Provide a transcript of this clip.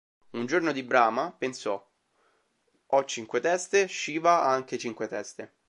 Un giorno di Brahma pensò: "Ho cinque teste, Shiva ha anche cinque teste.